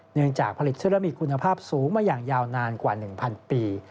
เนื่องจากผลิตเชื้อและมีคุณภาพสูงมาอย่างยาวนานกว่า๑๐๐ปี